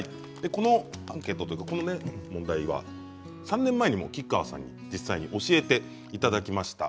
このアンケート、この問題は３年前にも吉川さんに実際に教えていただきました。